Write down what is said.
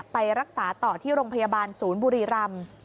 ไปรักษาต่อที่โรงพยาบาลศูนย์บุรีรำ